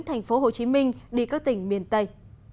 thành phố hồ chí minh đi các tỉnh miền tây